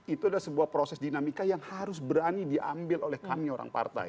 itu adalah sebuah proses dinamika yang harus berani diambil oleh kami orang partai